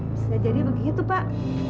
bisa jadi begitu pak